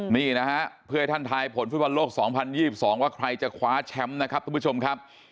นี่นะฮะเพื่อให้ท่านทายผลฟุตบอลโลก๒๐๒๒ว่าใครจะคว้าแชมป์นะครับทุกผู้ชมครับ